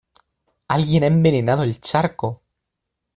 Alguien ha envenenado el charco.